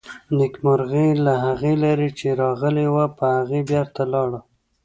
نېکمرغي له هغې لارې چې راغلې وه، په هغې بېرته لاړه.